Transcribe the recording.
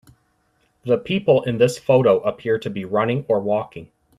The people in this photo appear to be running or walking.